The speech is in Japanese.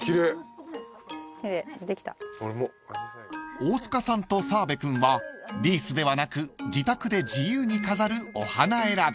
［大塚さんと澤部君はリースではなく自宅で自由に飾るお花選び］